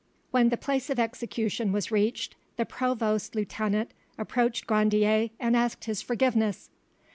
When the place of execution was reached, the provost's lieutenant approached Grandier and asked his forgiveness.